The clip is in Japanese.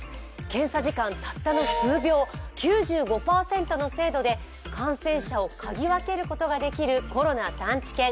検査時間たったの数秒、９５％の精度で感染者を嗅ぎ分けることができるコロナ探知犬